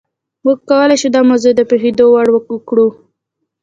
موږ کولای شو دا موضوع د پوهېدو وړ کړو.